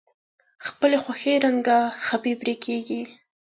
خپلې خوښې رنګه خپې پرې کیږدئ.